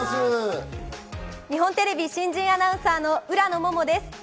日本テレビ新人アナウンサーの浦野モモです。